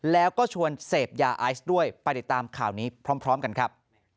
แล้วก็ชวนเสพยาไอซ์ด้วยไปติดตามข่าวนี้พร้อมกันครับ